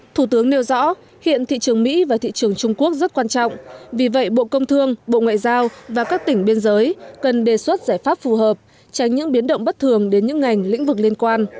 thủ tướng nêu rõ hiện thị trường mỹ và thị trường trung quốc rất quan trọng vì vậy bộ công thương bộ ngoại giao và các tỉnh biên giới cần đề xuất giải pháp phù hợp tránh những biến động bất thường đến những ngành lĩnh vực liên quan